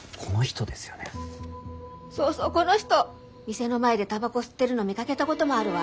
店の前でタバコ吸ってるの見かけたこともあるわ。